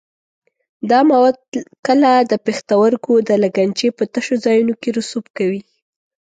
دا مواد کله د پښتورګو د لګنچې په تشو ځایونو کې رسوب کوي.